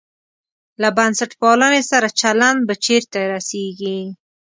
له بنسټپالنې سره چلند به چېرته رسېږي.